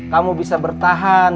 kamu bisa bertahan